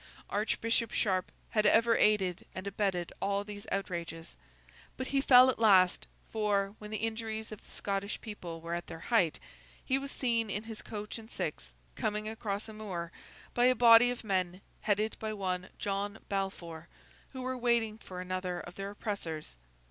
Archbishop Sharp had ever aided and abetted all these outrages. But he fell at last; for, when the injuries of the Scottish people were at their height, he was seen, in his coach and six coming across a moor, by a body of men, headed by one John Balfour, who were waiting for another of their oppressors.